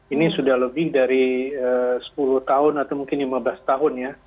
ini sudah lebih dari sepuluh tahun atau mungkin lima belas tahun ya